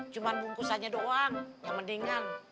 cuma bungkusannya doang yang mendingan